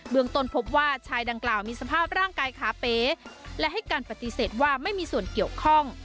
เมืองต้นพบว่าชายดังกล่าวมีสภาพร่างกายขาเป๋และให้การปฏิเสธว่าไม่มีส่วนเกี่ยวข้อง